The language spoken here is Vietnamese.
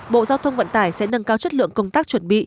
bộ giao thông vận tải sẽ nâng cao chất lượng công tác chuẩn bị